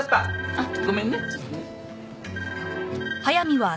あっごめんね。